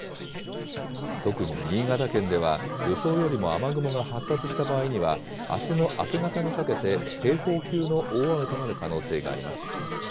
特に新潟県では、予想よりも雨雲が発達した場合には、あすの明け方にかけて警報級の大雨となる可能性があります。